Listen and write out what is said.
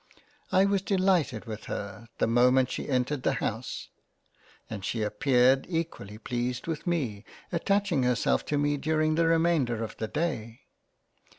I was delighted with her, the moment she entered the house, and she appeared equally pleased with me, attaching herself to me during the remainder of the day.